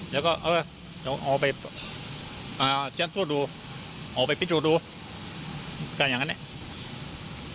แล้วก็เอาไปเซ็นสูตรดูเอาไปพิจูตรดูก็อย่างนั้นเนี่ย